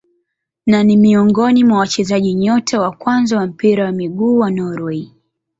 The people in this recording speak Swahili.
Na ni miongoni mwa wachezaji nyota wa kwanza wa mpira wa miguu wa Norway.